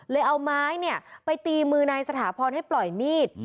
เอาไม้ไปตีมือนายสถาพรให้ปล่อยมีด